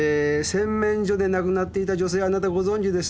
洗面所で亡くなっていた女性あなたご存じですね？